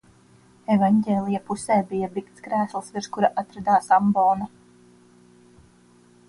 Evaņģēlija pusē bija biktskrēsls, virs kura atradās ambona.